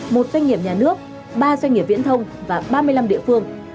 một doanh nghiệp nhà nước ba doanh nghiệp viễn thông và ba mươi năm địa phương